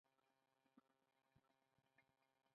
دا د سختو زبېښونکو بنسټونو پر مټ رامنځته شوی و